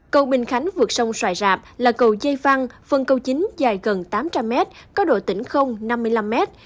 cầu bình khánh vượt sông xoài rạp là cầu dây văng phần cầu chính dài gần tám trăm linh mét có độ tỉnh năm mươi năm mét